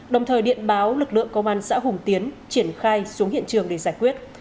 đồng thời điện báo lực lượng công an xã hùng tiến triển khai xuống hiện trường để giải quyết